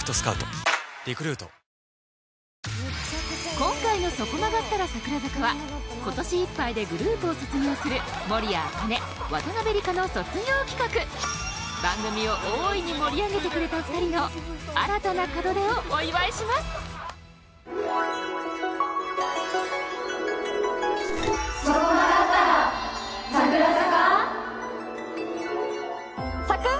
今回の『そこ曲がったら、櫻坂？』は今年いっぱいでグループを卒業する番組を大いに盛り上げてくれた２人の新たな門出をお祝いしますサクっ！